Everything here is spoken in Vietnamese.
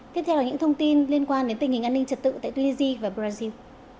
tiếp theo là những thông tin liên quan đến tình hình an ninh trật tự tại tulisi và brazil